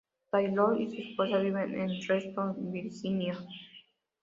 Taylor y su esposa viven en Reston, Virginia.